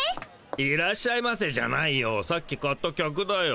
「いらっしゃいませ」じゃないよさっき買った客だよ。